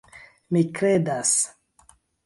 Mi kredas!